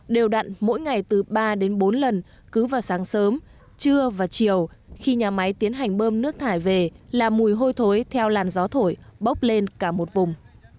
đều đặn mỗi ngày từ ba đến bốn lần cứ vào sáng sớm trưa và chiều khi nhà máy tiến hành bơm nước thải về là mùi hôi thối theo làn gió thổi bốc lên cả một vùng